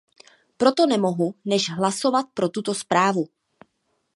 Proto nemohu než hlasovat pro tuto zprávu.